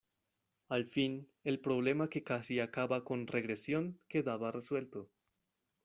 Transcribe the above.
Al fin, el problema que casi acaba con Regresión quedaba resuelto.